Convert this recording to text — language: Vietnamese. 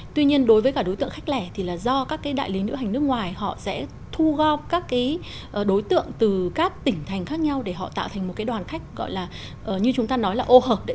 tuy nhiên đối với cả đối tượng khách lẻ thì là do các đại lý lữ hành nước ngoài họ sẽ thu góp các đối tượng từ các tỉnh thành khác nhau để họ tạo thành một đoàn khách gọi là như chúng ta nói là ô hợp đấy